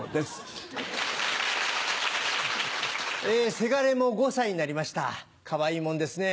せがれも５歳になりましたかわいいもんですね。